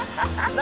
何？